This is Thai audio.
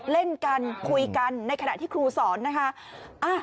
เล่นกันคุยกันในขณะที่ครูสอนนะคะ